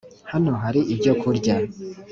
hano hari ibyo kurya